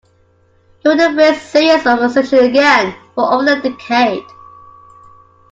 He wouldn't face serious opposition again for over a decade.